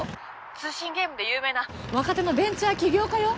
通信ゲームで有名な若手のベンチャー起業家よ。